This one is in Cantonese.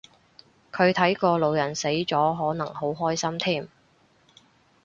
佢睇個老人死咗可能好開心添